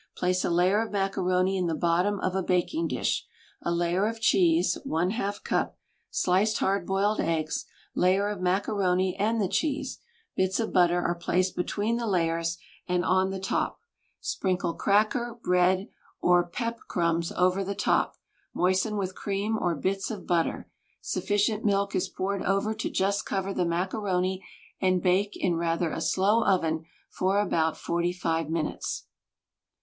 Place a layer of macaroni in the bottom of a baking dish, a layer of cheese (J^ C), sliced hard boiled eggs, layer of maca roni and the cheese — bits of butter are placed between the layers and on the top, sprinkle cracker, bread or PEP crumbs over the top, moisten with cream or bits of butter; sufficient milk is poured over to just cover the macaroni and bake in rather a slow oven for about forty five minutes.